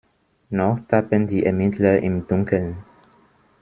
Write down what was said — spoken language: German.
Noch tappen die Ermittler im Dunkeln.